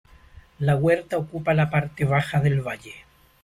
La huerta ocupa la parte baja del valle.